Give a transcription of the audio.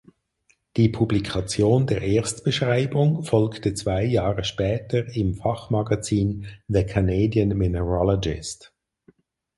Die Publikation der Erstbeschreibung folgte zwei Jahre später im Fachmagazin The Canadian Mineralogist.